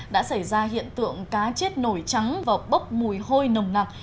đã xảy ra hiện tượng cá chết nổi trắng và bốc mùi hôi nồng nặc